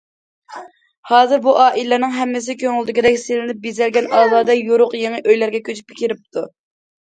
ھازىر بۇ ئائىلىلەرنىڭ ھەممىسى كۆڭۈلدىكىدەك سېلىنىپ بېزەلگەن ئازادە، يورۇق يېڭى ئۆيلەرگە كۆچۈپ كىرىپتۇ.